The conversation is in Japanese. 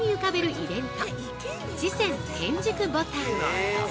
イベント池泉天竺牡丹！